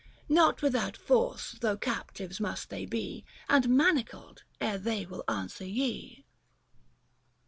Xot without force though, captives must they be, And manacled, ere they will answer ye."